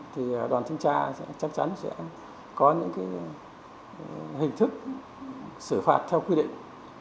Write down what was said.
thì đoàn kiểm tra chắc chắn sẽ có những hình thức xử phạt theo quy định